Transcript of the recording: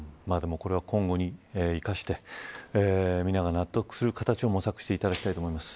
これを今後に生かして皆が納得する形を模索していただきたいと思います。